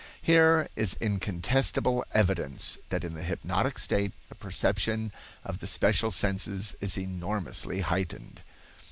Here is incontestable evidence that in the hypnotic state the perception of the special senses is enormously heightened.